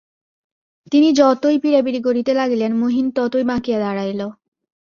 তিনি যতই পীড়াপীড়ি করিতে লাগিলেন, মহিন ততই বাঁকিয়া দাঁড়াইল।